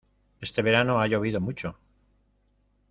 Este verano ha llovido mucho.